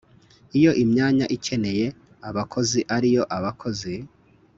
Iyo imyanya ikeneye abakozi ari iyo abakozi